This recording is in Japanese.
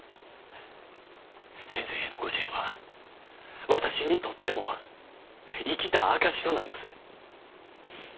先生へのご支援は私にとっても生きた証しとなります。